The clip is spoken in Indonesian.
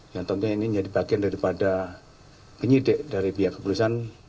yang tentunya ini menjadi bagian daripada penyidik dari pihak kepolisian